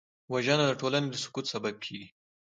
وژنه د ټولنې د سقوط سبب کېږي